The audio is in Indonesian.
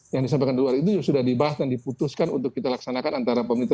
yang disampaikan di luar itu sudah dibahas dan diputuskan untuk kita laksanakan antara pemerintah